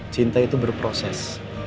cinta itu berproses